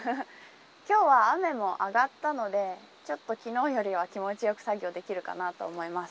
今日は雨もあがったので昨日よりは気持ちよく作業できるかなと思います。